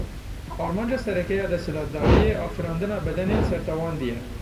Armanca sereke ya desthilatdariyê, afirandina bedenên sertewandî ye.